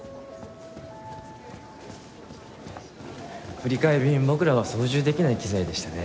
振替便僕らが操縦できない機材でしたね。